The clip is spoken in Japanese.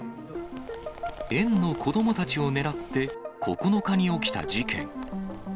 園の子どもたちを狙って、９日に起きた事件。